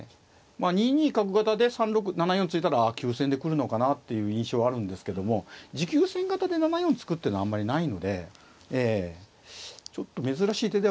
まあ２二角型で３六７四突いたらああ急戦で来るのかなっていう印象はあるんですけども持久戦型で７四突くってのはあんまりないのでちょっと珍しい手ではあると思います。